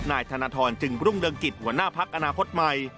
นายธนทรจึงรุ่งเรืองกิจหัวหน้าพักอนาคตใหม่